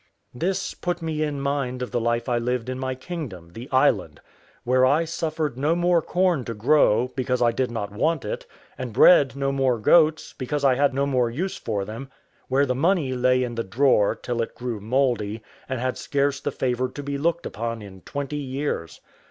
This put me in mind of the life I lived in my kingdom, the island; where I suffered no more corn to grow, because I did not want it; and bred no more goats, because I had no more use for them; where the money lay in the drawer till it grew mouldy, and had scarce the favour to be looked upon in twenty years.